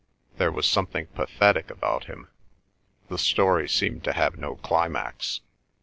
There was something pathetic about him." The story seemed to have no climax.